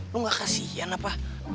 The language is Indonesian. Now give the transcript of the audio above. lu gak kasian apa